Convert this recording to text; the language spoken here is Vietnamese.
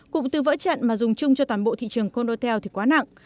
cụm từ vỡ trận mà dùng chung cho toàn bộ thị trường codotel thì quá nặng